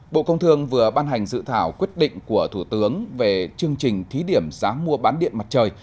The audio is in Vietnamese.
bộ công thương vừa ban hành dự thảo quyết định của thủ tướng về chương trình thí điểm giá mua bán điện mặt trời